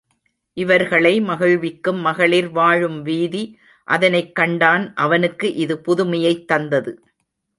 இவர்களை மகிழ்விக்கும் மகளிர் வாழும் வீதி அதனைக் கண்டான் அவனுக்கு இது புதுமையைத் தந்தது.